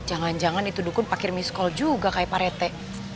jangan jangan itu dukun pak kiremi sekolah juga kayak pak rete